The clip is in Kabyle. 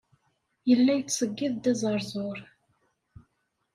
Yella yettṣeyyid-d azeṛzuṛ.